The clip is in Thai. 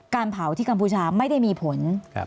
การเผาที่กัมพูชาไม่ได้มีผล